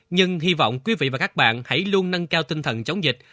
nhưng hy vọng quý vị và các bạn hãy luôn nâng cao tinh thần chống dịch